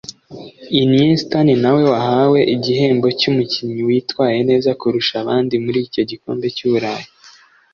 Iniesta ni nawe wahawe igihembo cy’umukinnyi witwaye neza kurusha abandi muri icyo gikombe cy’uburayi